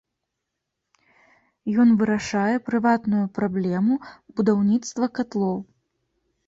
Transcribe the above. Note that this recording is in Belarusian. Ён вырашае прыватную праблему будаўніцтва катлоў.